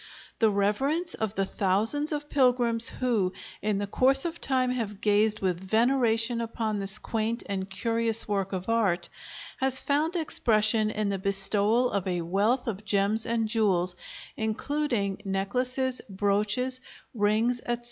The reverence of the thousands of pilgrims who in the course of time have gazed with veneration upon this quaint and curious work of art, has found expression in the bestowal of a wealth of gems and jewels, including necklaces, brooches, rings, etc.